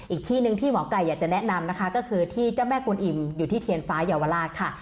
อีกที่หนึ่งที่หมอไก่อยากจะแนะนำนะคะก็คือที่เจ้าแม่กวนอิ่มอยู่ที่เทียนฟ้าเยาวราชค่ะ